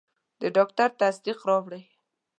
د ډاکټر تصدیق راوړئ.